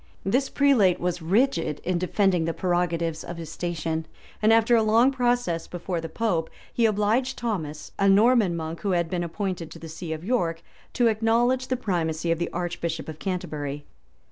This prelate was rigid in defending the prerogatives of his station; and after a long process before the pope, he obliged Thomas, a Norman monk, who had been appointed to the see of York, to acknowledge the primacy of the archbishop of Canterbury.